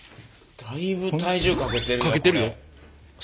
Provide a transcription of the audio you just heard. だいぶ体重かけてるよこれ。